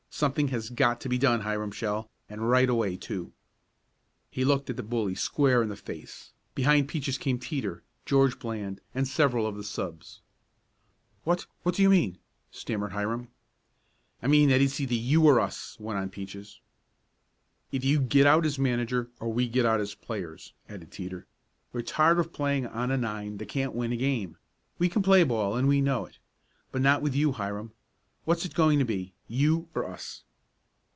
"Something has got to be done, Hiram Shell, and right away, too." He looked the bully squarely in the face. Behind Peaches came Teeter, George Bland and several of the subs. "What what do you mean?" stammered Hiram. "I mean that it's either you or us," went on Peaches. "Either you get out as manager or we get out as players," added Teeter. "We're tired of playing on a nine that can't win a game. We can play ball, and we know it. But not with you, Hiram. What's it going to be you or us?"